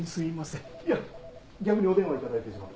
いや逆にお電話頂いてしまって。